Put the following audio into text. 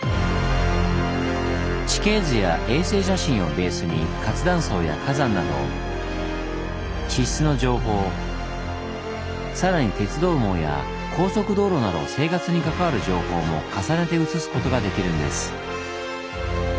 地形図や衛星写真をベースに活断層や火山など地質の情報さらに鉄道網や高速道路など生活に関わる情報も重ねて映すことができるんです。